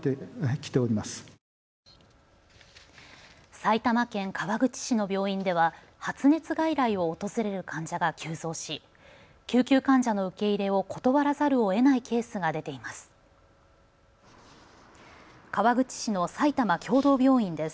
埼玉県川口市の病院では発熱外来を訪れる患者が急増し救急患者の受け入れを断らざるをえないケースが出ています。